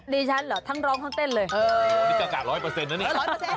ดิฉันเหรอทั้งร้องทั้งเต้นเลยนี่กระกะ๑๐๐นะนี่